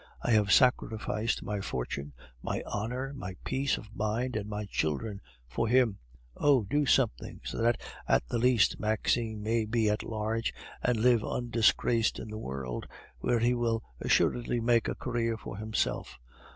I have sacrificed my fortune, my honor, my peace of mind, and my children for him. Oh! do something, so that at the least Maxime may be at large and live undisgraced in the world, where he will assuredly make a career for himself.